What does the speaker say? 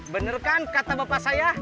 bener kan kata bapak saya